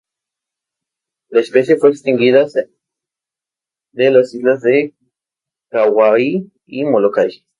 La especie fue extinguidas de las islas de Kauai y Molokai.